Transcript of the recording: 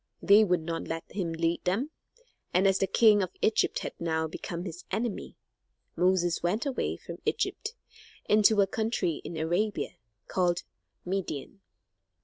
They would not let him lead them, and as the king of Egypt had now become his enemy, Moses went away from Egypt into a country in Arabia, called Midian.